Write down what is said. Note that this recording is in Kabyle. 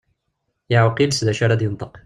Yeɛweq yiles d acu ara d-yenṭeq.